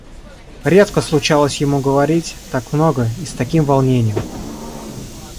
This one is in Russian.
Редко случалось ему говорить так много и с таким волнением.